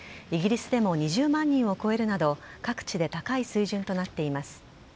イギリスでも２０万人を超えるなど、各地で高い水準となっています。